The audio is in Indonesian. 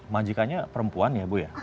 majikannya perempuan ya bu ya